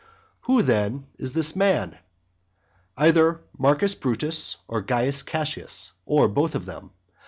XI Who then is that man? Either Marcus Brutus, or Caius Cassius, or both of them.